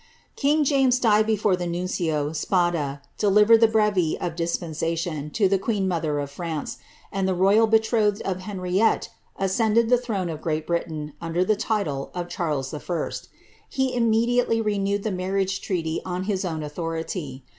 King James died before the nuncio, Spada,' delivered the hreve of dispensation to the queen mother of France, and the royal betrothed of Henriette ascended the throne of Great Britain under the title of Charles J. He immediately renewed the marriage treaty on his own authority.